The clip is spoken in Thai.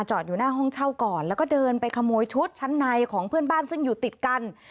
อยู่หน้าห้องเช่าก่อนแล้วก็เดินไปขโมยชุดชั้นในของเพื่อนบ้านซึ่งอยู่ติดกัน